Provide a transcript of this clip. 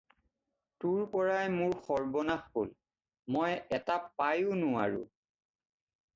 তোৰ পৰাই মোৰ সৰ্ব্বনাশ হ'ল, মই এটা পায়ো নেৰোঁ।